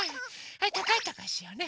はいたかいたかいしようね。